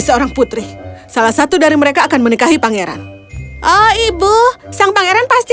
seorang putri salah satu dari mereka akan menikahi pangeran ibu sang pangeran pasti